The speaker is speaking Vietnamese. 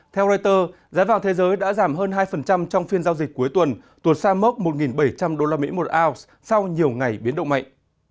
theo reuters giá vàng thế giới đã giảm hơn hai trong phiên giao dịch cuối tuần tuột xa mốc một bảy trăm linh usd một ounce sau nhiều ngày biến động mạnh